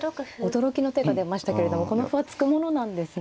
驚きの手が出ましたけれどもこの歩は突くものなんですね。